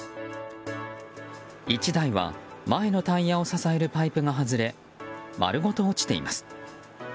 １台は前のタイヤを支えるパイプが外れ丸ごと落ちています。